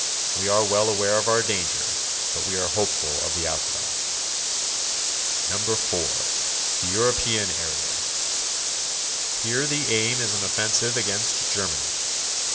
We are well aware of our danger, but we are hopeful of the outcome. 4. The European area. Here the aim is an offensive against Germany.